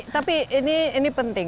tapi ini penting